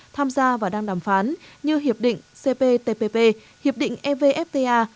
tham gia và đang đàm phán như hiệp định cptpp hiệp định evfta